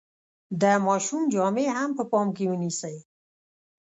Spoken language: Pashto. د ماشوم جامې هم په پام کې ونیسئ.